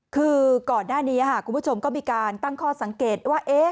คือก่อนหน้านี้คุณผู้ชมก็มีการตั้งข้อสังเกตว่า